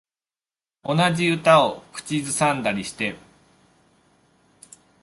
同じ歌を口ずさんでたりして